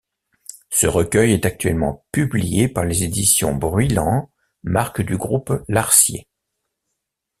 Ce recueil est actuellement publié par les Éditions Bruylant, marque du Groupe Larcier.